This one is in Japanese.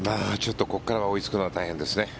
ここから追いつくのは大変ですね。